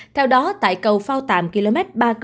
theo đó tại cầu phao tạm km ba bốn